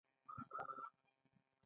مېلمه ته د دعا برکت ورسېږه.